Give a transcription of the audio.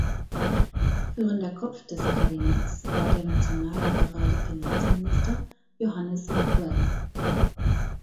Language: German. Führender Kopf des Kabinetts war der nationalliberale Finanzminister Johannes Miquel.